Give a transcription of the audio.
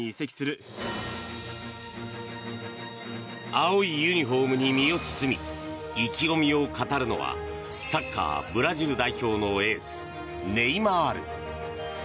青いユニホームに身を包み意気込みを語るのはサッカーブラジル代表のエースネイマール。